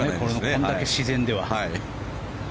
これだけ自然では。